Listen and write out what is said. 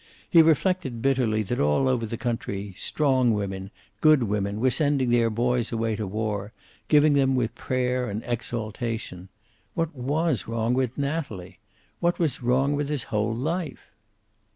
He reflected bitterly that all over the country strong women, good women, were sending their boys away to war, giving them with prayer and exaltation. What was wrong with Natalie? What was wrong with his whole life?